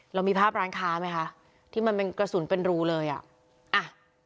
เรามีภาพร้านค้าไหมคะที่มันเป็นกระสุนเป็นรูเลยอ่ะ